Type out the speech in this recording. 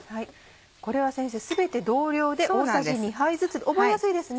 これは先生全て同量で大さじ２杯ずつで覚えやすいですね。